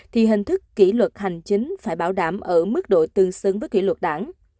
thì hình thức kỷ luật hành chính phải bảo đảm ở mức độ tương xứng với kỷ luật đảng